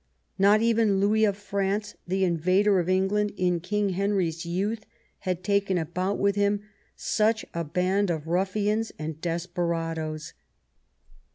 Not even Louis of France, the invader of England in King Henry's youth, had taken about with him such a band of ruffians and desperadoes.